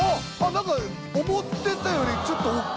思ってたよりちょっと大きめ。